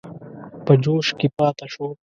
په جوش کې پاته شو.